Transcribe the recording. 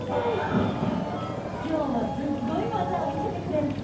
きょうはすっごいわざをみせてくれるって！